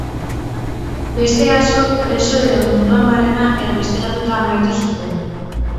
Beste askok preso edo munduan barrena erbesteratuta amaitu zuten.